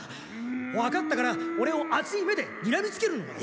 わかったからオレをあつい目でにらみつけるのはやめろ！